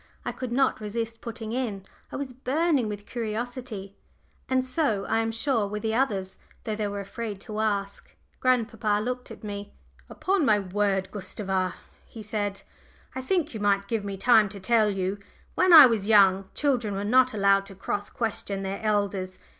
I could not resist putting in. I was burning with curiosity, and so, I am sure, were the others, though they were afraid to ask. Grandpapa looked at me. "Upon my word, Gustava," he said, "I think you might give me time to tell you. When I was young, children were not allowed to cross question their elders.